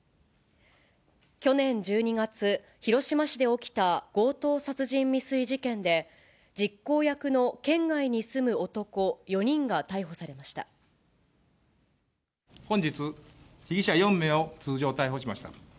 去年１２月、広島市で起きた強盗殺人未遂事件で、実行役の県外に住む男４人が本日、被疑者４名を通常逮捕しました。